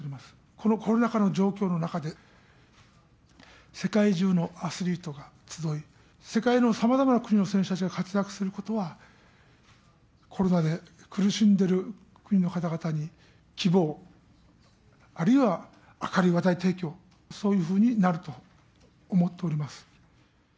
このコロナ禍の状況の中で、世界中のアスリートが集い、世界のさまざまな国の選手たちが活躍することは、コロナで苦しんでいる国の方々に希望、あるいは明るい話題提供、そういうふうになると思っております。